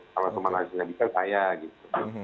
kalau suleman aziz nyadikan saya gitu